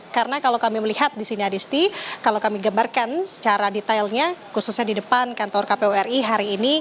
karena kalau kami melihat di sini adisti kalau kami gambarkan secara detailnya khususnya di depan kantor kpu ri hari ini